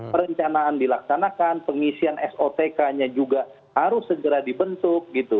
perencanaan dilaksanakan pengisian sotk nya juga harus segera dibentuk gitu